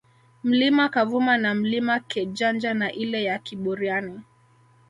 Mlima Kavuma na Mlima Kejanja na ile ya Kiboriani